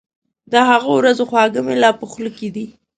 د هغو ورځو خواږه مي لا په خوله دي